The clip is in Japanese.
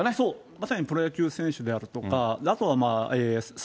まさにプロ野球選手であるとか、あとはまあ